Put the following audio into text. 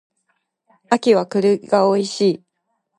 秋は栗が美味しい